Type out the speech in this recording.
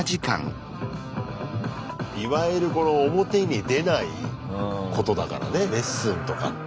いわゆるこの表に出ないことだからねレッスンとかって。